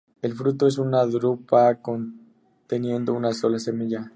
El fruto es una drupa conteniendo una sola semilla.